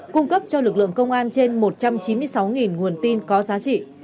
cung cấp cho lực lượng công an trên một trăm chín mươi sáu nguồn tin có giá trị